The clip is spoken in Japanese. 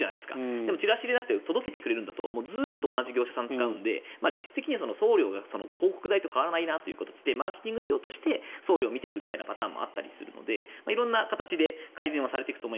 でもチラシじゃなくて届けてくれるのだとずっと同じ業者さんを使うので実質的には送料が広告代と変わらないなという形でマーケティング費用として送料を見ていくと色んな形で改善はされていくと。